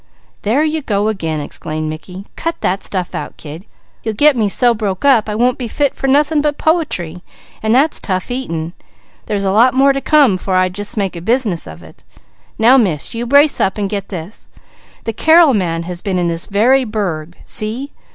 "There you go again!" exclaimed Mickey. "Cut that stuff out, kid! You'll get me so broke up, I won't be fit for nothing but poetry, and that's tough eating; there's a lot must come, 'fore I just make a business of it. Now Miss, you brace up, and get this: the Carrel man has been in this very burg. See!